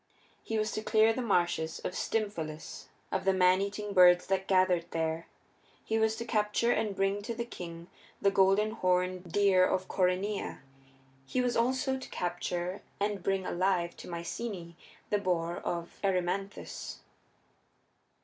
He was to clear the marshes of Stymphalus of the maneating birds that gathered there; he was to capture and bring to the king the golden horned deer of Coryneia; he was also to capture and bring alive to Myceaæ the boar of Erymanthus.